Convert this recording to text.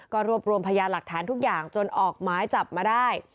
ก็รวบรวมพยานหลักฐานทุกอย่างจนออกหมายจับมาได้